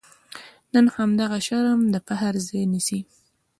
نن همدا شرم د فخر ځای نیسي.